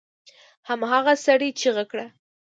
هماغه سړي چيغه کړه!